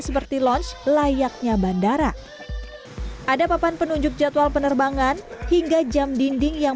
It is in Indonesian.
seperti lounge layaknya bandara ada papan penunjuk jadwal penerbangan hingga jam dinding yang